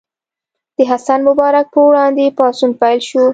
د حسن مبارک پر وړاندې پاڅون پیل شو.